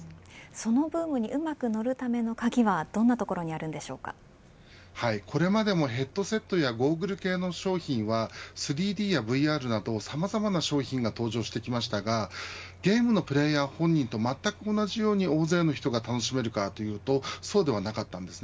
そのブームにうまくのるための鍵はどんなとこれまでもヘッドセットやゴーグル系の商品は３ＤやＶＲなどさまざまな商品が登場してきましたがゲームのプレーヤー本人とまったく同じように大勢の人が楽しめるかというとそうではなかったです。